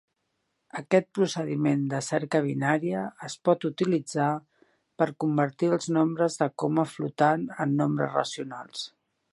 Aquest procediment de cerca binària es pot utilitzar per convertir els nombres de coma flotant en nombres racionals.